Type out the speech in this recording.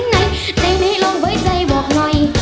ในในร่องแบบใจเบาหล่อย